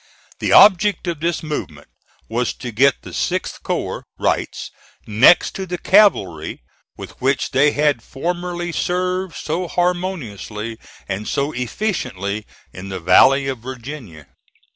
The object of this movement was to get the 6th corps, Wright's, next to the cavalry, with which they had formerly served so harmoniously and so efficiently in the valley of Virginia.